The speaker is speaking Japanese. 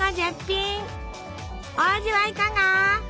お味はいかが？